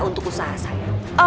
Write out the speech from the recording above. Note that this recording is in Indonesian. untuk usaha saya